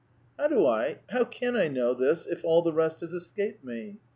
yy How do I, how can I know this if ^* all the rest " has ■^" escaped " me